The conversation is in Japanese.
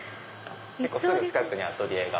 結構すぐ近くにアトリエが。